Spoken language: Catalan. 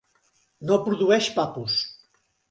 No produeix papus.